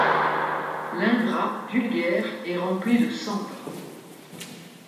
L’ingrat vulgaire est rempli de cendre.